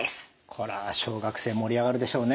これは小学生盛り上がるでしょうね。